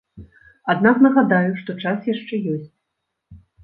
Аднак нагадаю, што час яшчэ ёсць.